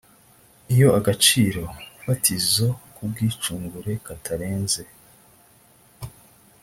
iyo agaciro fatizo k ubwicungure katarenze